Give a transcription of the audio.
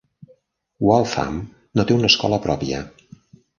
Waltham no té una escola pròpia.